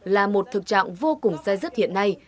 là một thực trạng vô cùng xe dứt hiện nay